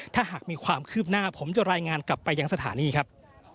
ถ้าหากมีความคืบหน้าผมจะรายงานกลับไปยังสถานีครับ